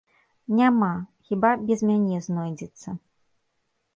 Няма, хіба без мяне знойдзецца.